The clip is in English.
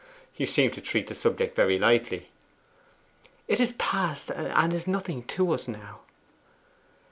You seem to treat the subject very lightly?' 'It is past, and is nothing to us now.